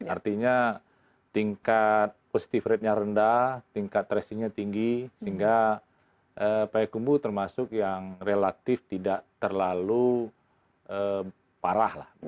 artinya tingkat positive rate nya rendah tingkat tracing nya tinggi sehingga payak kumbu termasuk yang relatif tidak terlalu parah lah